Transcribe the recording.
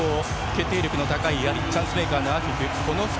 決定力の高いアリとチャンスメーカーのアフィフ。